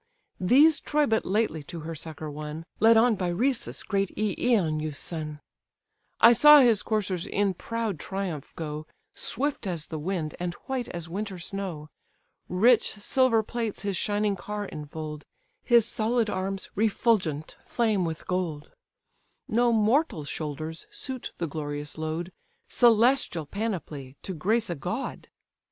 These Troy but lately to her succour won, Led on by Rhesus, great Eioneus' son: I saw his coursers in proud triumph go, Swift as the wind, and white as winter snow; Rich silver plates his shining car infold; His solid arms, refulgent, flame with gold; No mortal shoulders suit the glorious load, Celestial panoply, to grace a god!